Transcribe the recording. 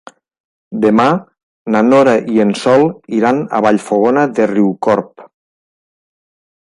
Demà na Nora i en Sol iran a Vallfogona de Riucorb.